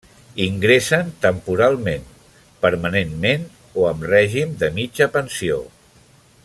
Ingressen temporalment, permanentment o amb règim de mitja pensió.